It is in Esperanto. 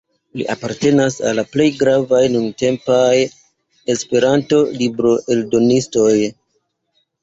Li apartenas al la plej gravaj nuntempaj Esperanto-libroeldonistoj.